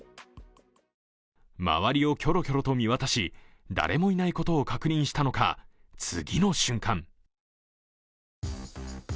周りをきょろきょろと見渡し誰もいないことを確認したのか次の瞬間